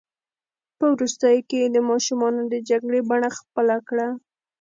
په وروستیو کې یې د ماشومانو د جګړې بڼه خپله کړه.